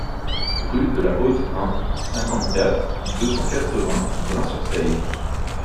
Rue de la Haute-Brin, cinquante-quatre, deux cent quatre-vingts Brin-sur-Seille